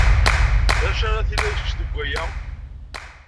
D acu ara tinid kecc deg waya?